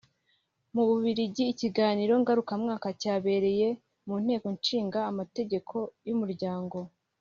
Mu Bubiligi ikiganiro ngarukamwaka cyabereye mu Nteko Ishinga Amategeko y Umuryango